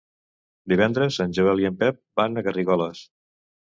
Divendres en Joel i en Pep van a Garrigoles.